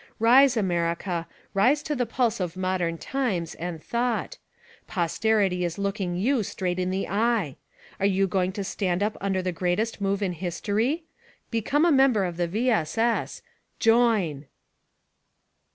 Rise, America, rise to the pulse of modern times, and thought. Posterity is looking you straight in the eye ! Are you going to stand up under the great est move in history? Become a member of the V. S. S. ! JOIN!